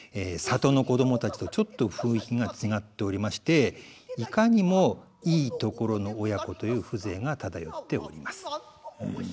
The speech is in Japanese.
里の子供たちとちょっと雰囲気が違っておりましていかにもいいところの親子という風情が漂っております。